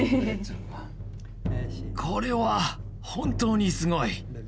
これは本当にすごい。